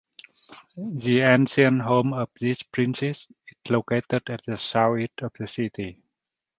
The ancient home of these princes is located at the south-east of the city.